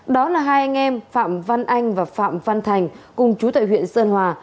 đó là hai anh em phạm văn anh và phạm văn thành cùng chú tại huyện sơn hòa